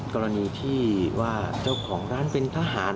กรณีที่ว่าเจ้าของร้านเป็นทหาร